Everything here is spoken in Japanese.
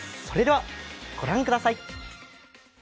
それでは、ご覧ください。